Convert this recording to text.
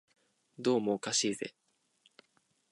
どうもおかしいぜ